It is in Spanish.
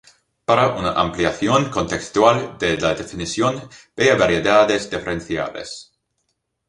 Para una ampliación contextual de la definición vea variedades diferenciables.